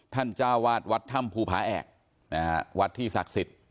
ท่านเจ้าวาดวัดธรรมภูภาแอกวัดที่ศักดิ์สิทธิ์